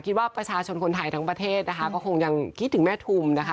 คิดว่าประชาชนคนไทยทั้งประเทศนะคะก็คงยังคิดถึงแม่ทุมนะคะ